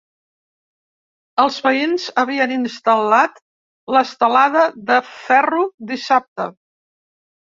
Els veïns havien instal·lat l’estelada de ferro dissabte.